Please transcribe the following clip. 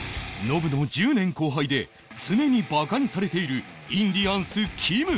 ノブの１０年後輩で常にバカにされているインディアンスきむ